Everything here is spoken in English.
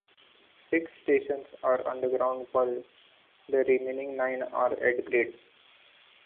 Six stations are underground, while the remaining nine are at-grade.